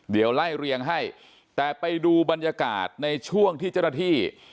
เดี๋ยวไล่เรียงให้แต่ไปดูบรรยากาศในช่วงที่เจ้าหน้าที่